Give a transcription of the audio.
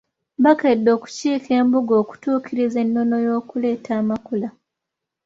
Bakedde okukiika Embuga okutuukiriza ennono y’okuleeta Amakula.